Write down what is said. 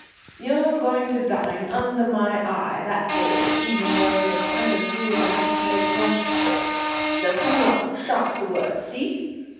"You're going to dine under my eye, that's all, even though the sight of you is enough to make one sick. So come along, sharp's the word, see?